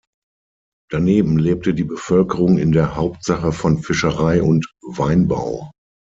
Daneben lebte die Bevölkerung in der Hauptsache von Fischerei und Weinbau.